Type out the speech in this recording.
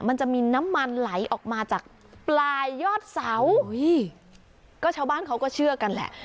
มันจะมีน้ำมันไหลออกมาจากปลายยอดเสาอุ้ยก็ชาวบ้านเขาก็เชื่อกันแหละ